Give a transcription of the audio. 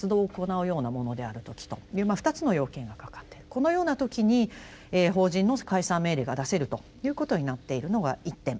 このような時に法人の解散命令が出せるということになっているのが一点。